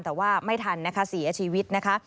แต่ว่าไม่ทันนะคะเสียชีวิตนะคะ